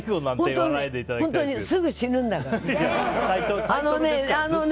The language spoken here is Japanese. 本当に、すぐ死ぬんだからね。